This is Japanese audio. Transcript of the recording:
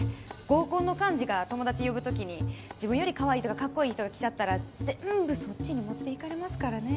合コンの幹事が友達呼ぶ時に自分よりかわいいとかかっこいい人が来ちゃったら全部そっちに持っていかれますからね。